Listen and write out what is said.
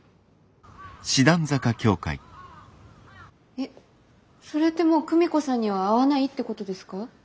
えっそれってもう久美子さんには会わないってことですか？